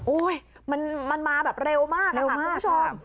มันมาแบบเร็วมากค่ะคุณผู้ชม